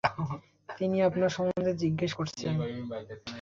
তিনি আপনার সম্বন্ধে জিজ্ঞেস করেছেন।